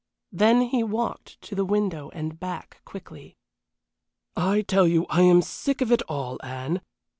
Then he walked to the window and back quickly. "I tell you I am sick of it all, Anne.